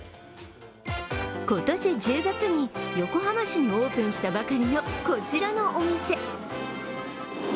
今年１０月に横浜市にオープンしたばかりのこちらのお店。